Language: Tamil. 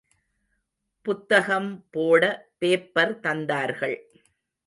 புத்தகம் போட பேப்பர் தந்தார்கள்.